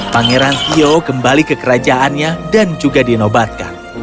pangeran tio kembali ke kerajaannya dan juga dinobatkan